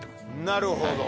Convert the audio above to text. なるほど。